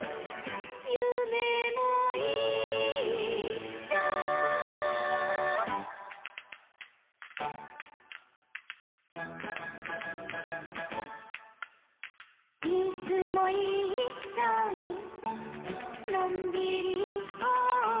「ゆめもいっしょ」「いつもいっしょにのんびりいこうよ」